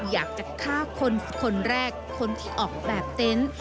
อยากจะฆ่าคนแรกคนที่ออกแบบเต็นต์